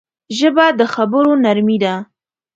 ژبه د خبرو نرمي ده